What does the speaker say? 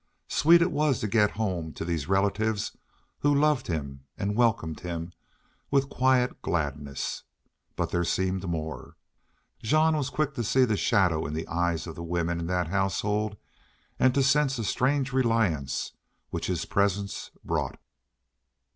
Sweet it was to get home to these relatives who loved him and welcomed him with quiet gladness. But there seemed more. Jean was quick to see the shadow in the eyes of the women in that household and to sense a strange reliance which his presence brought.